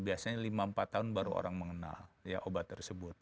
biasanya lima empat tahun baru orang mengenal obat tersebut